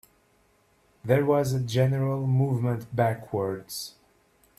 There was a general movement backwards.